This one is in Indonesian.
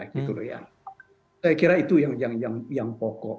saya kira itu yang pokok